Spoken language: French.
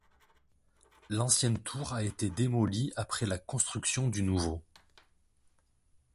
L'ancienne tour a été démolie après la construction du nouveau.